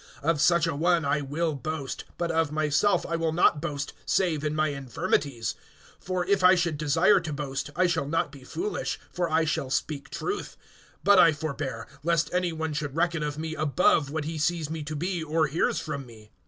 (5)Of such a one I will boast; but of myself I will not boast, save in my infirmities. (6)For if I should desire to boast, I shall not be foolish, for I shall speak truth; but I forbear, lest any one should reckon of me above what he sees me to be, or hears from me.